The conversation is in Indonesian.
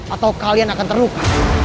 atau kalian akan terluka